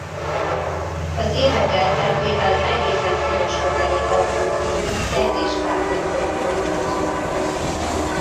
Az évek elteltével egészen szoros kötelék alakult ki közte és Carter doktor között.